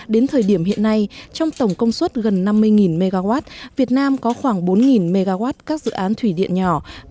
đến thời điểm hiện nay trong tổng công suất gần năm mươi mw việt nam có khoảng bốn mw các dự án thủy điện nhỏ